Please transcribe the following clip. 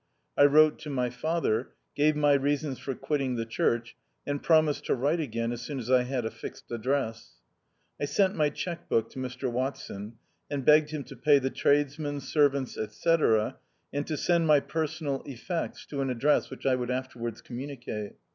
I wrote to my father, gave my reasons for quitting the church, and promised to write again as soon as I had a fixed address. I sent my cheque book to Mr Watson, and begged him to pay the tradesmen, servants, &c, and to send my personal effects to an address which I would afterwards communicate.